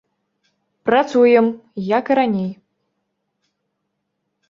Працуем, як і раней.